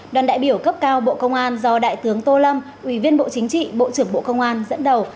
đoàn đại biểu cấp cao bộ công an do đại tướng tô lâm ủy viên bộ chính trị bộ trưởng bộ công an dẫn đầu